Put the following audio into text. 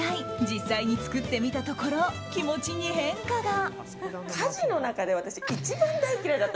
実際に作ってみたところ気持ちに変化が。